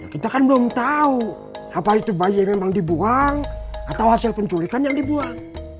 kita kan belum tahu apa itu bayi memang dibuang atau hasil penculikan yang dibuang